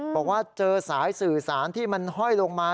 บอกว่าเจอสายสื่อสารที่มันห้อยลงมา